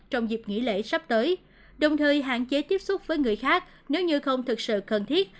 trong dịp nghỉ lễ sắp tới đồng thời hạn chế tiếp xúc với người khác nếu như không thực sự cần thiết